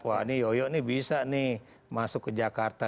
wah ini yoyo ini bisa nih masuk ke jakarta